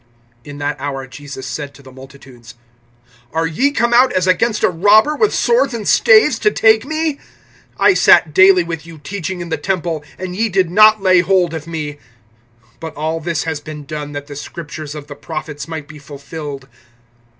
(55)In that hour Jesus said to the multitudes: Are ye come out as against a robber, with swords and staves, to take me? I sat daily with you teaching in the temple, and ye did not lay hold of me. (56)But all this has been done, that the scriptures of the prophets might be fulfilled.